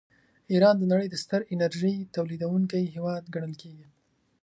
ایران د نړۍ د ستر انرژۍ تولیدونکي هېوادونه ګڼل کیږي.